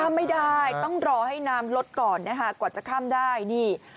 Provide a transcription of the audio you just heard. ไม่ได้ต้องรอให้น้ำลดก่อนนะคะกว่าจะข้ามได้นี่